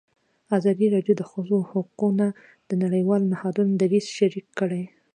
ازادي راډیو د د ښځو حقونه د نړیوالو نهادونو دریځ شریک کړی.